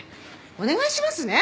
お願いしますね。